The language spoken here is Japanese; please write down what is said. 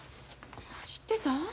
知ってたん？